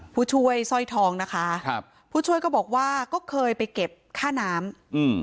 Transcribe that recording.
ผู้ช่วยสร้อยทองนะคะครับผู้ช่วยก็บอกว่าก็เคยไปเก็บค่าน้ำอืม